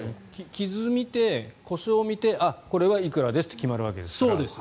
傷を見て故障を見てこれはいくらですって決まるわけですから。